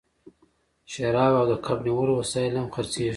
شراب او د کب نیولو وسایل هم خرڅیږي